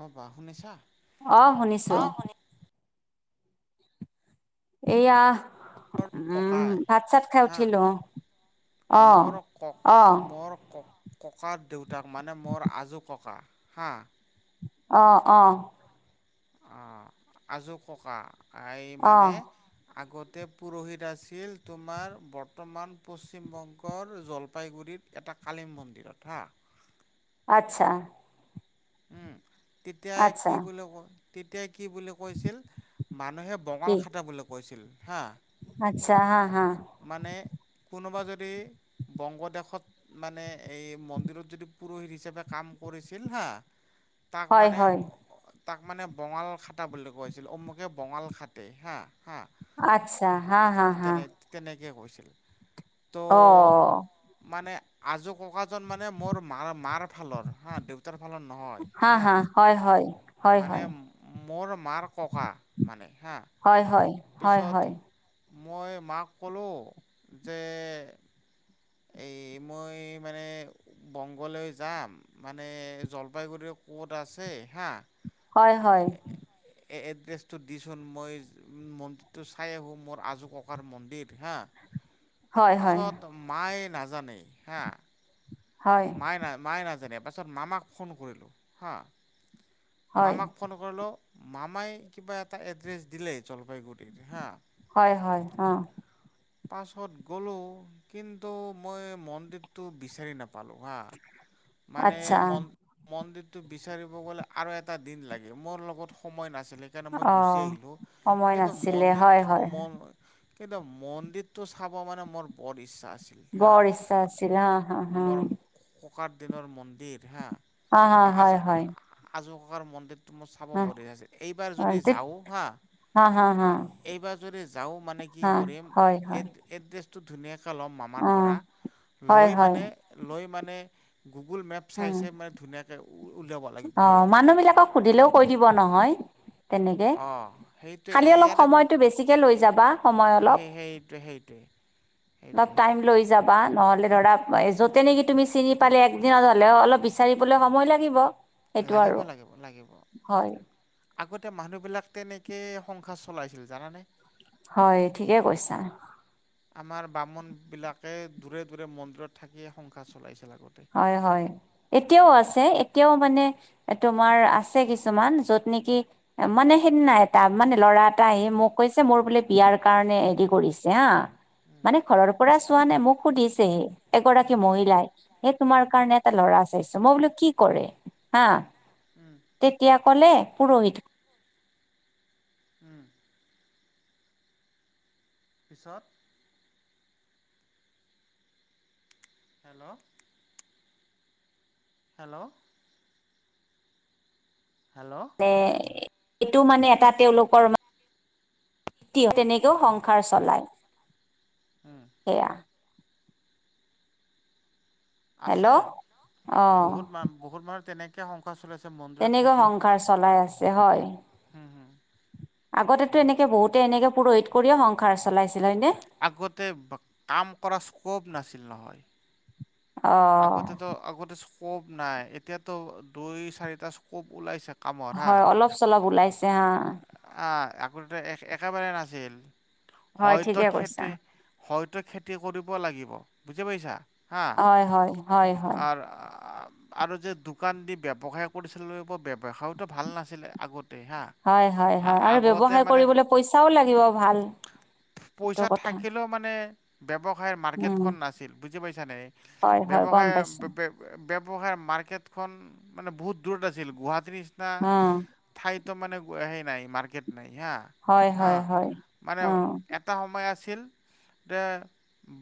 অ বা শুনিছা। অ শুনিছো। এয়া উম ককাই ভাত চাত খাই হা উঠিলো উম। মোৰ কক মোৰ কক, ককাৰ দেউতাক মানে মোৰ আজো ককা হা, অ অ, অ আজোৰ ককা এই অ মানে, আগতে পুৰোহিত আছিল তোমাৰ বৰ্তমান পশ্চিমবংগৰ জলপাইগুৰিত, এটা কলী মন্দিৰত হা, আচ্ছা, উম তেতিয়া আচ্ছা কি বুলি ক তেতিয়াই কি বুলি ক কৈছিল মানুহে বঙাল কি খেদা বুলি কৈছিল হা, আচ্ছা হা হা, মানে কোনোবা যদি। বংগদেশত মানে এই মন্দিৰত যদি পুৰোহিত হিচাপে কাম কৰিছিল হা, তাক হয় মানে। হয় তাক মানে বঙাল খটা বুলি কৈছিল অমুকে বঙাল খাটে হা হা, আচ্ছা হা হা হা, কেনেকৈ কৈছিল ত অ মানে আজো ককাজন মানে মোৰ মাৰ মাৰ ফালৰ হা দে তাৰ ফালৰ নহয় হা। হয় হয়। হয় মানে মোৰ মাৰ ককা মানে হা, হয় হয়। হয় পিছত হয় মই মাক কলো যে, এই মই মানে, বংগলৈ যাম মানে জলপাইগুৰি ক'ত আছে হা, হয় হয়। এড্ৰেছটো দিচোন মই মন্দিৰটো চাই আহো মোৰ আজো ককাৰ মন্দিৰ হা, হয় পাছত মায়ে নাজানে হা, হয় হয় মায়ে না মায়ে নাজানে পাছত মামাক ফোন কৰিলোঁ হা, হয় হয় মামাক ফোন কৰিলো মামাই কিবা এটা এড্ৰেছ দিলে জলপাইগুৰিত হা হয় হয়, অ'। পাছত গ'লোঁ কিন্তু মই মন্দিৰটো বিচাৰি নাপা পালোঁ হা, মানে আচ্ছা মন মন্দিৰটো বিচাৰিব গ'লে আৰু এটা দিন লাগে। মোৰ লগত সময় নাছিলে [unintelligible] কাৰণে মই অ গুচি আহিলো, সময় কিন্তু নাছিলে হয় মন্দিৰটো হয় মন কিন্তু মন্দিৰটো চাব মানে মোৰ বৰ ইচ্ছা আছি হা, বৰ ইচ্ছা মা আছিল হা হা হা মোৰ ককাৰ দিনৰ মন্দিৰ হা, হা হা হয় হয় আজ-আজো ককাৰ মন্দিৰ ত মোৰ চাব হা বদি আছে। এইবাৰ যদি যাওঁ হা হা হা হা এইবাৰ যদি যাওঁ মানে কি হা কৰিম হয় হয় এই এড্ৰেছটো ধুনীয়াকৈ ল'ম মামাৰ অ পৰা, হয় লৈ হয় মানে লৈ মানে, গুগুল মেপ উম চাই চাই মানে ধুনীয়াকে মানে উলিয়াব অ লাগিব সেই মানুহ সুধিলেও কৈ দিব নহয়। এনেকে। অঁ সেইটোৱে খালী অলপ ইয়াতে সময়টো বেছিকে লৈ যাবা সময় অলপ। সেই সেইটোৱে সেইটোৱে অলপ সেইটোৱে টাইম লৈ যাবা নহলে ধৰা যতে নেকি তুমি চিনি পালে একদিনত হলেও অলপ বিচাৰিবলে সময় লাগিব, সেইটো লাগিব আৰু লাগিব লাগিব হয়। আগতে মানুহবিলাক তেনেকে সংসাৰ চলাইছিল জানানে? হয়, ঠিকে কৈছা। আমাৰ বামুণ বিলাকে দূৰে দূৰে মন্দিৰত থাকিয়ে সংসাৰ চলাইছিল আগতে। হয় হয়। এতিয়াও আছে, এতিয়াও মানে তোমাৰ আছে কিছুমান য'ত নেকি মানে সেইদিনা এটা মানে ল'ৰা এটা আহি মোক কৈছে মোৰ বোলে বিয়াৰ কাৰণে হেৰি কৰিছে হা। উম মানে ঘৰৰ পৰা চোৱা নাই, মোক সুধিছে এগৰাকী উম মহিলাই। এই তোমাৰ উম কাৰণে এটা ল'ৰা চাইছে, মই বুলো কি কৰে। হা উম, উম। তেতিয়া ক'লে পুৰহিত। উম। পিছত হেল্ল'। হেল্ল'। হেল্ল'। এ-এইটো মানে এটা তেওঁলোকৰ মা [unintelligible] তেনেকৈও সংসাৰ চলাই। হম। সেয়া। হেল্ল' আছে অ বহুত মান, বহুত মানুহ তেনেকৈ সংসাৰ চলাইছে মন্দিৰত তেনেকৈ থাকিয়ে পূজ সংসাৰ চলাই আছ [unintelligible] হয়। উম, হম। আগতেতো এনেকে বহুতে এনেকে পুৰোহিত কৰিয়ে সংসাৰ চলাইছিল হয়নে? আগতে কাম কৰা স্ক'প নাছিল নহয়। অ' আগতেতো আগতে স্কোপ নাই, এতিয়াতো দুই চাৰিটা স্ক'প ওলাইছে। কামৰ হয়, অলপ চলপ ওলাইছে আহ। আগ-আগতে একেবাৰে নাছিল হয় ঠিকে হয়তো কৈছা। খেতি হয়তো খেতি কৰিব লাগিব, বুজি পাইছা? হা। হয় হয় হয় হয় আৰ আম আৰু যে দোকান দি ব্যৱসায় কৰিছিলোঁ ব ব্যৱসায়তো ভাল নাছিলে আগতেই হা। হয় হয় হয় আৰু আগতে ব্যৱসায় মানে কৰিবলে পইচাও লাগিব ভাল, এইটো কথা। আৰু মানে ব্যৱসায় উম মাৰ্কেটখন নাছিল, বুজি পাইছ নে? হয় হয় গম পাইছো ব্য ব্যৱসায়ৰ মাৰ্কেটখন মানে বহুত দূৰত আছিল গুৱাহাটীৰ নিচিনা অ' ঠাইতো মানে সেই নাই মাৰ্কেট নাই হা, হয় হা হয় হয়। মানে অ' এত এটা সময় আছিল যে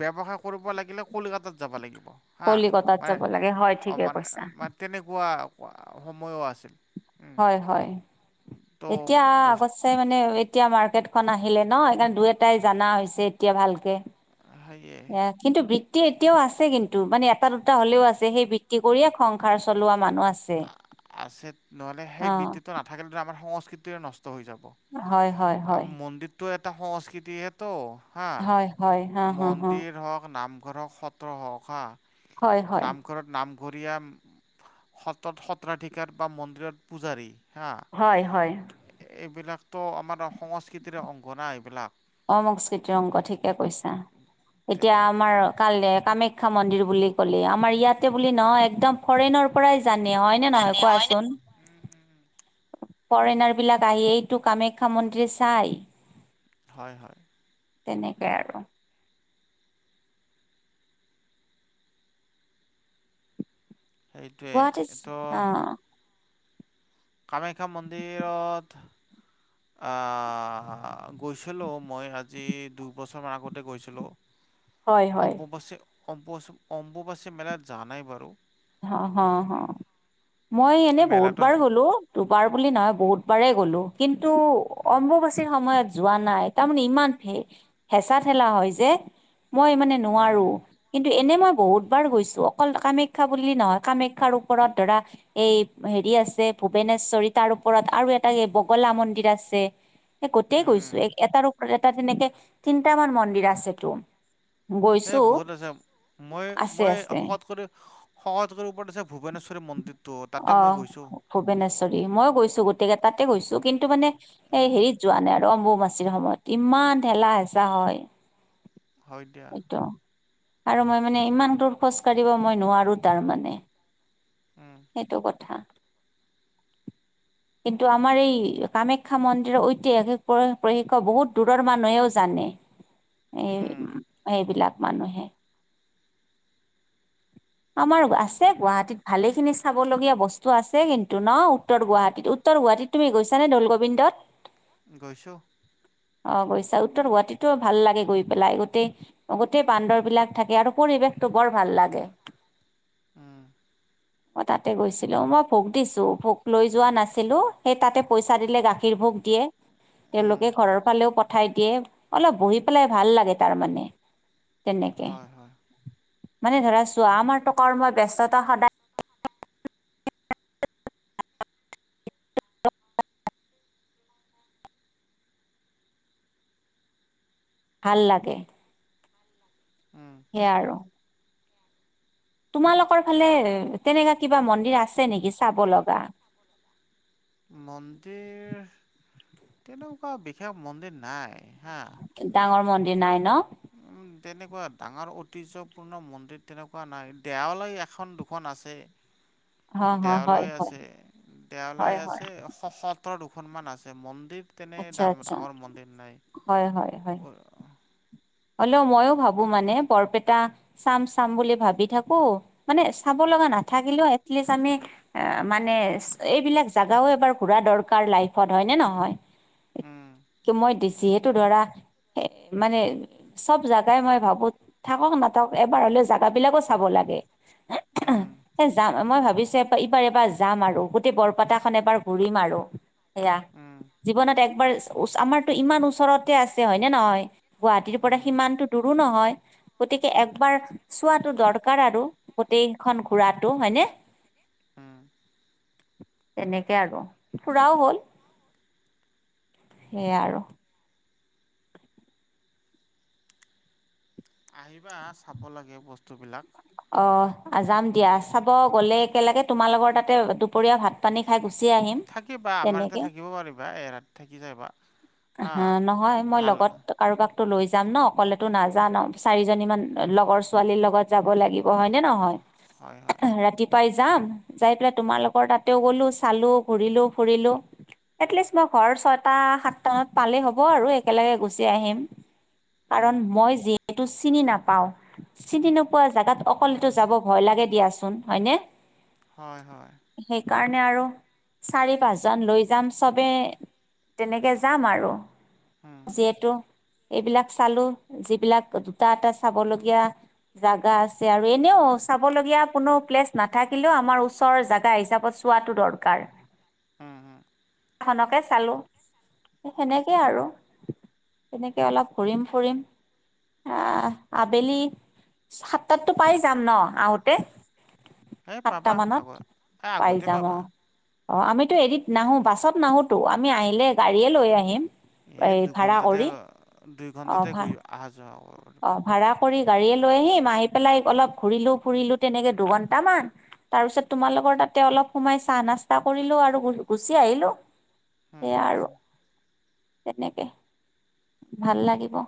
ব্যৱসায় কৰিব লাগিলে কলিকাতাত যাব লাগিব। হা কলিকতাত মানে যাব লাগে হয় ঠিকে কৈছা। অ-মানে-মানে তেনেকুৱা ৱা সময়ো আছিল। উম, হয় হয় তো এতিয়া আগত বস্তু এতিয়া মানে এতিয়া মাৰ্কেটখন আহিলে ন সেই কাৰণে দুই এটাই জানা হৈছে এতিয়া ভালকে। সেয়ে এ কিন্তু বৃত্তি এতিয়াও আছে কিন্তু মানে এটা দুটা হ'লেও আছে সেই বৃত্তি কৰিয়ে সংসাৰ চলোৱা মানুহ আছে। আ আছে নহ'লে অ সেই বৃত্তিটো নাথাকিলেতো আমাৰ সংস্কৃতিৰে নষ্ট হৈ যাব। হয় হয় আ হয় মন্দিৰটো এটা সংস্কৃতিহে তো হা হয় হয় হা হা হা মন্দিৰ হওঁক নামঘৰ হওঁক সত্ৰ হওঁক হা। হয় হয় নামঘৰত নামঘৰীয়া সত্ৰত সত্ৰাধিকাৰ বা মন্দিৰত পূজাৰী হা। হয় হয়। এইবিলাকতো আমাৰ সংস্কৃতিৰে অংগ না এইবিলাক। অঁ সংস্কৃতিৰ অংক ঠিকেই কৈছা, এতিয়া তেনেহ'লে আমাৰ কাল কামাখ্যা মন্দিৰ বুলি ক'লে আমাৰ ইয়াতে বুলি নহয় একদম ফৰেইনৰ পৰাই জানে হয়নে নহয় জানে হয় ন কোৱাচোন? ফৰেনাৰ বিলাক আহি এইটো কামাখ্যা মন্দিৰ চাই। হয় হয়। তেনেকাই আৰু। সেইটোৱে গুৱাহাটী এইটো অ কামাখ্যা মন্দিৰত আ গৈ গৈছিলো' মই আজি দুবছৰমান আগতে গৈছিলোঁ, হয় হয় অম্বুবছে অম্বু অম্বুবাচি মেলাত যোৱা নাই বাৰু। অ হ হ, মই এনেই বহুত বাৰ মেলাটো গ'লো। দুবাৰ বুলি নহয় বহুতবাৰে গ'লো, কিন্তু অম্বুবাচীৰ সময়ত যোৱা নাই তাৰমানে ইমান হে হেঁচা ঠেলা হয় যে। মই মানে উম, নোৱাৰোঁ, কিন্তু এনে মই বহুতবাৰ গৈছোঁ অকল কামে কা বুলি নহয় কামাখ্যাৰ ওপৰত ধৰা এই হেৰি আছে ভূৱনেশ্বৰী, তাৰ ওপৰত আৰু এটা এই বগলা মন্দিৰ আছে। এ গোতেই গৈছো উম, এ এটাৰ ওপৰত এটা তেনেকে তিনটামান মন্দিৰ আছেতো। এই গৈছো বহুত আছে, মই আছে মই আছে শকত কৰি শকত কৰি ওপৰত আছে ভূৱনেশ্বৰ মন্দিৰটো তাতে মই অ', গৈছোঁ। ভূৱনেশ্বৰী মই গৈছো গোটেই কেইটাতে গৈছো কিন্তু মানে সেই উম, হেৰিত যোৱা নাই আৰু অম্বুবাচিৰ সময়ত, ইমান ঢেলা হেঁচা হয়! হয় দিয়া এইটো, আৰু মই মানে ইমান দূৰ খোজ কাঢ়িব মই নোৱাৰো তাৰমানে। উম। সেইটো কথা। কিন্তু আমাৰ এই কামাখ্যা মন্দিৰৰ ঐতিহাসিক প্ৰ প্ৰশিক্ষ বহুত দূৰৰ মানুহেও জানে। এই উম, সেইবিলাক মানুহে। আমাৰ আছে গুৱাহাটীত। ভালেখিনি চাবলগীয়া বস্তু আছে কিন্তু ন উত্তৰ গুৱাহাটীত উত্তৰ গুৱাহাটীত তুমি গৈছানে দৌলগোবিন্দত? [inaudible] গৈছো। অ গৈছা উত্তৰ গুৱাহাটীতো ভাল লাগে গৈ পেলাই গোটেই গোটেই বান্দৰবিলাক থাকে আৰু পৰিৱেশটো বৰ ভাল লাগে। উহ। মই তাতে গৈছিলো মই ভোক দিছো ভোক লৈ যোৱা নাছিলো। সেই তাতে পইচা দিলে গাখীৰ ভোক দিয়ে। উম, তেওঁলোকে ঘৰৰ ফালেও পঠাই দিয়ে। অলপ বহি পেলাই ভাল লাগে তাৰমানে তেনেকে। হয় হয় মানে ধৰা চোৱা আমাৰো টকাৰ্ম ব্যস্ততা সদায় ভাল লাগে। উম। সেয়াই আৰু। তোমালোকৰ ফালে তেনেকা কিবা মন্দিৰ আছে নেকি চাব লগা? মন্দিৰ তেনেকুৱা বিশেষ মন্দিৰ নাই হা। কি ডাঙৰ মন্দিৰ নাই ন? উম, তেনেকুৱা ডাঙৰ ঐতিহ্যপূৰ্ণ মন্দিৰ তেনেকুৱা নাই, দেৱালয় এখন দুখন আছে। [inaudible] হয় দেৱালয় হয় আছে হয় দেৱালয় হয় আছে, শ সতৰ দুখনমান আছে মন্দিৰ তেনেকে আচ্ছা ডা আচ্ছা ডাঙৰ মন্দিৰ নাই। অৰ হ'লো মইো ভাবো মানে বৰপেটা চাম চাম বুলি ভাবি থাকো মানে চাব লগা নাথাকিলেও এটলিষ্ট আমি অ মানে এইবিলাক জোগাও এবাৰ ঘূৰা দৰকাৰ লাইফত হয়নে নহয়? উম কি মই যিহেতু ধৰা এ মানে চব জেগাই মই ভাবো থাকক নাথাকক এবাৰ হ'লেও জাগাবিলাকো চাব লাগে। উম। এ যাম, মই ভাবিছো এইবাৰ এবাৰ যাম আৰু গোটেই বৰপটাখন এবাৰ ঘূৰিম আৰু। সেয়া উম জীৱনত একবাৰ ওচ আমাৰতো ইমান ওচৰতে আছে হয়নে? নহয় গুৱাহাটীৰ পৰা উম সিমানতো দূৰো নহয়। গতিকে একবাৰ চোৱাটো দৰকাৰ আৰু গোটেইখন ঘোৰাটো হয়নে? হম। তেনেকে আৰু ফুৰাও হ'ল। সেয়া আৰু। আহিবা চাব লাগে বস্তুবিলাক। অ যাম দিয়া চাব গ'লে একেলগে তোমাৰ লগৰ তাতে দুপৰীয়া ভাত পানী খাই গুচি আহ থাকিবা আমাৰ ইতে থাকিব পাৰিবা এৰাত থাকি যাবা। হা হ নহয় মই ভাল লগত কাৰোবাকতো লৈ যাম ন অকলেতো নাজান চাৰিজনীমান লগৰ ছোৱালীৰ লগত যাব লাগিব হয় নে নহয়? হয় হয় ৰাতিৱ পাই যাম যাই পেলাই তোমালোকৰ তাতেও গ'লো চালো ঘূৰিলো ফুৰিলো। এটলিষ্ট মই ঘৰ ছয়টা সাত টা পালেই হ'ব আৰু একেলগে গুচি আহিম, কাৰণ উম, মই যিহেতু চিনি নাপ পাওঁ, চিনি নোপোৱা জেগাত অকলেতো উম, যাব ভয় লাগেদিয়াচোন, হয়নে? হয়, হয়। সেইকাৰণে আৰু চাৰি পাঁচজন লৈ যাম। চবে- তেনেকে যাম আৰু উম, যিহেতু- এইবিলাক চালো, যিবিলাক দুটা- এটা চাবলগীয়া- জাগা আছে আৰু এনেও চাবলগীয়া কোনো প্লেচ নাথাকিলেও আমাৰ ওচৰ জাগা হিচাপত- চোৱাটো দৰকাৰ। উম, উম। খনকে চালোঁ। সেনেকেই আৰু, তেনেকে অলপ ঘুৰিম ফুৰিম। আহ, আবেলি সাতটাততো পাই যাম ন আহোতে? এই সাতটা পাবা মানত আগ এই পাই আগতে যাম, পাবা অঁ। অঁ, আমিতো এৰিত নাহো, বাছত নাহোতো আমি আহিলে গাড়ীয়ে লৈ আহিম। এই ভাড়া দুঘণ্টাতে, কৰি দুই ঘণ্টাতে গৈ অহা যোৱা হওঁক। অঁ, ভাড়া - কৰি গাড়ীয়ে লৈ আহিম, আহি পেলাই অলপ ঘূৰিলো -ফুৰিলো তেনেকে দুঘন্টামান। তাৰপিছত তোমাল লগৰ তাতে অলপ সোমাই চাহ নাস্তা কৰিলো আৰু গুচি আহিলোঁ। সেয়া আৰু তেনেকে ভাল লাগিব।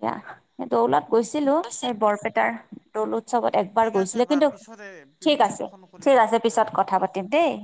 এয়া এইটো অলপ গৈছিলো গৈছিল এই বৰপেটাৰ। দল উৎসৱত একবাৰ ঠিক আছে গৈছিলে। বা কিন্তু পিছতে ঠিক পিছত আছে, ফোন ঠিক কৰিবা আছে, পিছত তেনেহ'লে কথা হা পাতিম দেই।